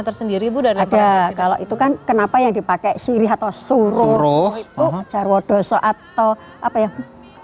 tersendiri ibu dan ada kalau itu kan kenapa yang dipakai sirih atau suruh itu jarwodoso atau apa yang